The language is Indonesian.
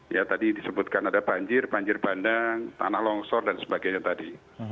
ya tadi disebutkan ada banjir banjir bandang tanah longsor dan sebagainya tadi